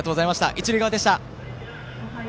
一塁側でした。